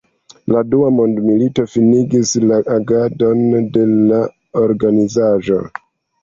La Dua Mondmilito finigis la agadon de la organizaĵo.